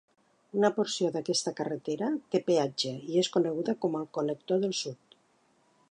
Una porció d'aquesta carretera té peatge i és coneguda com el "Connector del Sud".